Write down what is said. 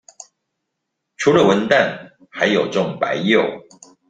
除了文旦還有種白柚